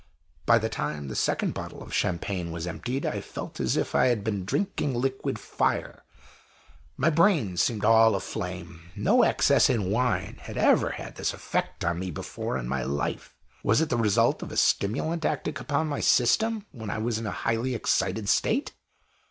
By the time the second bottle of Champagne was emptied, I felt as if I had been drinking liquid fire my brain seemed all aflame. No excess in wine had ever had this effect on me before in my life. Was it the result of a stimulant acting upon my system when I was in a highly excited state?